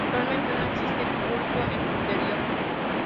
Actualmente, no existe culto en su interior.